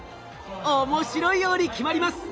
面白いように決まります。